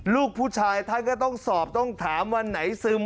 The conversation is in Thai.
ลูกผู้ชายท่านก็ต้องสอบต้องถามวันไหนซึม